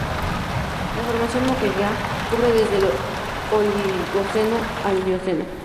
La Formación Moquegua cubre desde el Oligoceno al Mioceno.